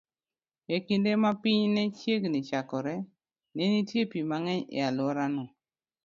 E kinde ma piny ne chiegni chakore, ne nitie pi mang'eny e alworano.